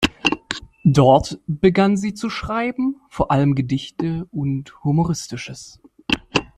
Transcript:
Dort begann sie zu schreiben, vor allem Gedichte und Humoristisches.